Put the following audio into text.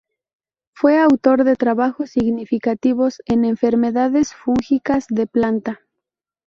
Fue autor de trabajos significativos en enfermedades fúngicas de planta.